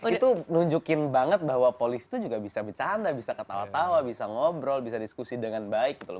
itu nunjukin banget bahwa polisi itu juga bisa bercanda bisa ketawa tawa bisa ngobrol bisa diskusi dengan baik gitu loh